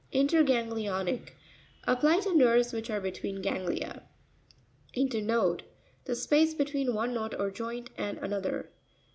; In'TERGANGLIO'NIc. — Applied to nerves which are between ganglia. In'TERNoDE.—The space between one knot or joint and another.